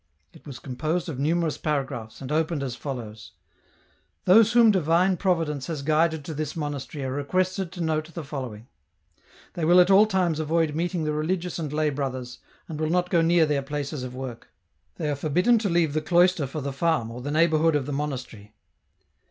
It was composed of numerous paragraphs, and opened as follows :—" Those whom Divine Providence has guided to this monastery are requested to note the following :—*' They will at all times avoid meeting the religious and lay brothers, and will not go near their places of work. " They are forbidden to leave the cloister for the farm or the neighbourhood of the monastery."